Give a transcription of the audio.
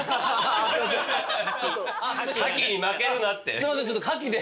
すいません